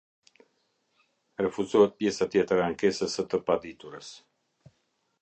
Rfuzohet pjesa tjetër e ankesës së të paditurës.